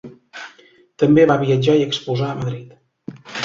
També va viatjar i exposar a Madrid.